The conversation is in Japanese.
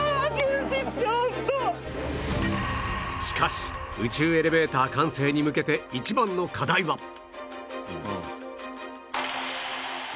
しかし宇宙エレベーター完成に向けて一番の課題は